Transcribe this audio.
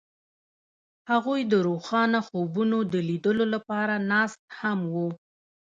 هغوی د روښانه خوبونو د لیدلو لپاره ناست هم وو.